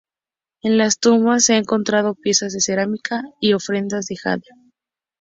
En las tumbas se ha encontrado piezas de cerámica y ofrendas de jade.